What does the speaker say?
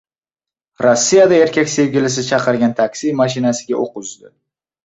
Rossiyada erkak sevgilisi chaqirgan taksi mashinasiga o‘q uzdi